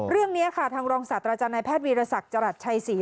เรื่องนี้ค่ะทางรองศาสตราจารย์นายแพทย์วีรศักดิ์จรัสชัยศรี